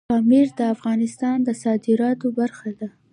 پامیر د افغانستان د صادراتو برخه ده.